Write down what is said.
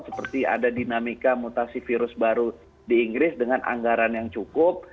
seperti ada dinamika mutasi virus baru di inggris dengan anggaran yang cukup